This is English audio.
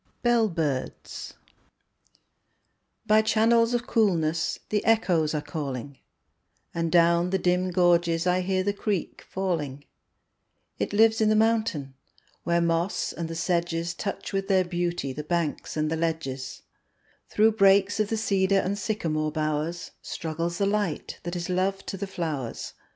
Bell Birds By channels of coolness the echoes are calling, And down the dim gorges I hear the creek falling; It lives in the mountain, where moss and the sedges Touch with their beauty the banks and the ledges; Through brakes of the cedar and sycamore bowers Struggles the light that is love to the flowers.